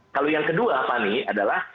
kalau yang kedua fani adalah